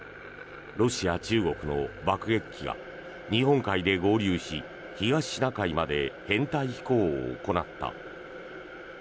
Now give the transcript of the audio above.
ロシア、中国の爆撃機が日本海で合流し東シナ海まで編隊飛行を行った。